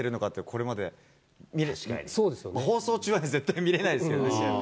これまで、放送中は絶対見れないですけどね、試合の。